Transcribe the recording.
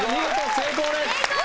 成功です！